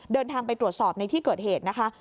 เดินทางไปตรวจสอบในที่เกิดเหตุนะคะ